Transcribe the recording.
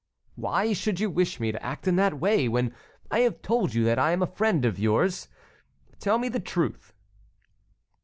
"Why should you wish me to act in that way, when I have told you that I am a friend of yours? Tell me the truth."